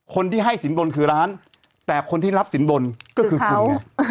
คนที่ให้สินบนคือร้านแต่คนที่รับสินบนก็คือคุณไง